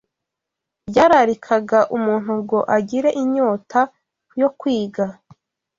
byararikaga umuntu ngo agire inyota yo kwiga